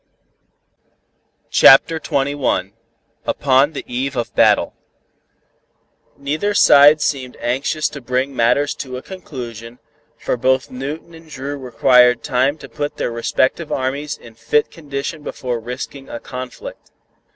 CHAPTER XXI UPON THE EVE OF BATTLE Neither side seemed anxious to bring matters to a conclusion, for both Newton and Dru required time to put their respective armies in fit condition before risking a conflict.